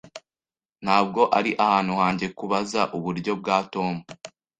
Ntabwo ari ahantu hanjye kubaza uburyo bwa Tom.